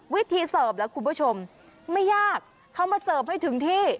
เสิร์ฟล่ะคุณผู้ชมไม่ยากเขามาเสิร์ฟให้ถึงที่